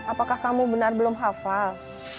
apakah kamu benar belum hafal